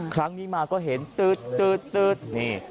ครั้งนี้มาก็เห็นตื๊ดตื๊ดตื๊ดนี่